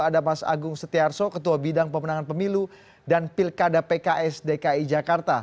ada mas agung setiarso ketua bidang pemenangan pemilu dan pilkada pks dki jakarta